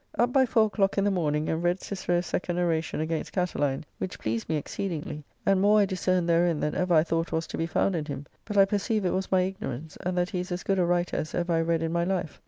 Up by 4 o'clock in the morning, and read Cicero's Second Oration against Catiline, which pleased me exceedingly; and more I discern therein than ever I thought was to be found in him; but I perceive it was my ignorance, and that he is as good a writer as ever I read in my life.